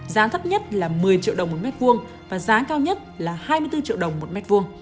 giá thấp nhất là một mươi triệu đồng một m hai và giá cao nhất là hai mươi bốn triệu đồng một m hai